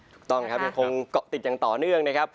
ถูกต้องครับยังคงเกาะติดอย่างต่อเนื่องนะครับ